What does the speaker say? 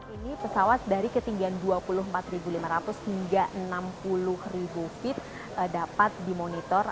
ini pesawat dari ketinggian dua puluh empat lima ratus hingga enam puluh feet dapat dimonitor